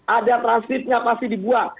ada transkripnya pasti dibuat